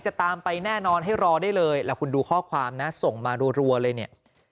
จะตามไปแน่นอนให้รอได้เลยแล้วคุณดูข้อความนะส่งมารัวเลยเนี่ย